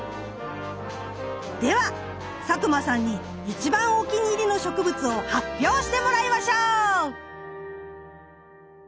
では佐久間さんに一番お気に入りの植物を発表してもらいましょう！